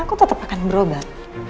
aku tetap akan berubah